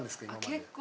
結構。